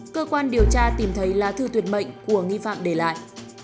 cơ quan điều tra tìm thấy lá thư tuyệt mệnh của nghi phạm để lại